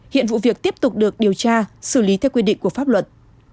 hiện vụ việc tiếp tục được điều tra xử lý theo quy định của pháp luật